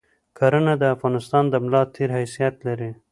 کرهنه د افغانستان د ملاتیر حیثیت لری